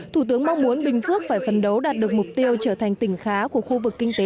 thủ tướng mong muốn bình phước phải phấn đấu đạt được mục tiêu trở thành tỉnh khá của khu vực kinh tế